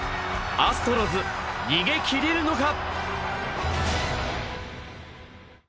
アストロズ、逃げ切れるのか。